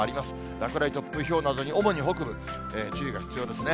落雷、突風、ひょうなどに、主に北部、注意が必要ですね。